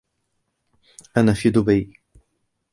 أنا في دبي.